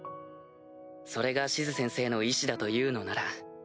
それがシズ先生の遺志だというのなら。